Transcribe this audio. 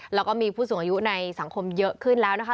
แล้วก็มีผู้สูงอายุในสังคมเยอะขึ้นแล้วนะคะ